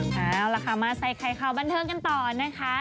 แล้วนะคะมาใส่ค่ายข่าวบันเทิงกันต่อนะคะ